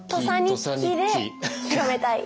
「土佐日記」で広めたい。